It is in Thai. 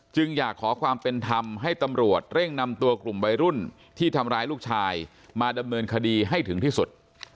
อยากขอความเป็นธรรมให้ตำรวจเร่งนำตัวกลุ่มวัยรุ่นที่ทำร้ายลูกชายมาดำเนินคดีให้ถึงที่สุด